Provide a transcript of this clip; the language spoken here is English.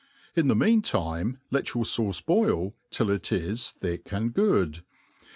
la the mean time let yoi^r fauce boil till it is thick and good.